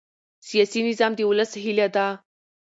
سیاسي نظام د ولس هیله ده